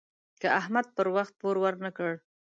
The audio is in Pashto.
که احمد پر وخت پور ورنه کړ.